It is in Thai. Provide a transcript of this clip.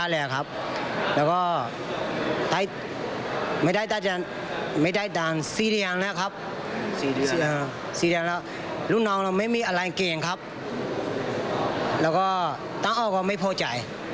เล่าให้ทีมข่าวฟังว่า